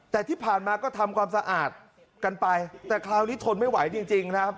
แต่ที่ผ่านมาก็ทำความสะอาดกันไปแต่คราวนี้ทนไม่ไหวจริงนะครับ